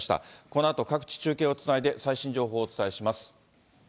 このあと各地、中継をつないで最新情報をお伝えします。